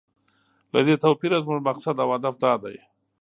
له دې توپیره زموږ مقصد او هدف دا دی.